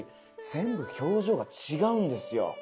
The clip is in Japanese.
全部表情が違うんですよ。